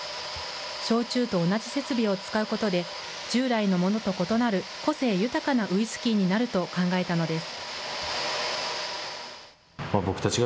焼酎と同じ設備を使うことで、従来のものと異なる個性豊かなウイスキーになると考えたのです。